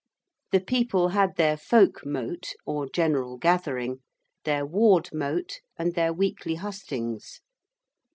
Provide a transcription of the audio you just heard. The people had their folk mote, or general gathering: their ward mote: and their weekly hustings.